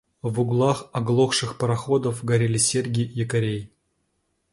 В углах оглохших пароходов горели серьги якорей.